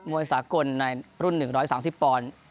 วยสากลในรุ่น๑๓๐ปอนด์